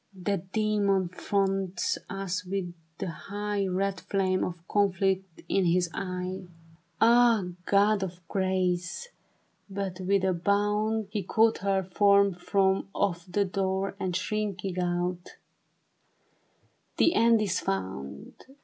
That demon fronts us with the high, Red flame of conflict in his eye. 122 THE BARRICADE. Ah, God of grace I But with a bound He caught her form from off the floor, And shrieking out, " The end is found